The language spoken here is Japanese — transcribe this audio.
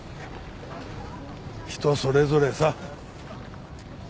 人それぞれさ。